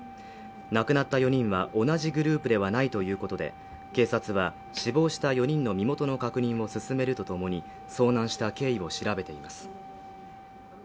亡くなった４人は同じグループではないということで警察は死亡した４人の身元の確認を進めるとともに遭難した経緯を調べています